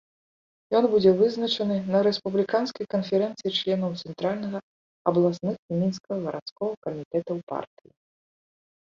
Ён будзе вызначаны на рэспубліканскай канферэнцыі членаў цэнтральнага, абласных і мінскага гарадскога камітэтаў партыі.